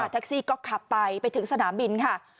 แท็กซี่ก็ขับไปไปถึงสนามบินค่ะ